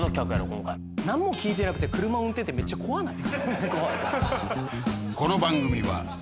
今回なんも聞いてなくて車運転ってめっちゃ怖ない？